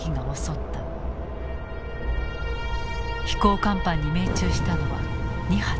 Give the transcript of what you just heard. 飛行甲板に命中したのは２発。